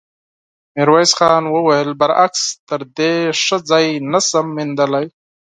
ميرويس خان وويل: برعکس، تر دې ښه ځای نه شم موندلی.